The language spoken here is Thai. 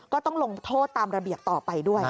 ก็ต้องลงโทษตามระเบียบต่อไปด้วย